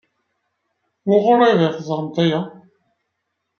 Wuɣur ay d-teẓramt aya?